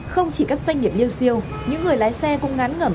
không chỉ các doanh nghiệp liêu siêu những người lái xe cũng ngán ngẩm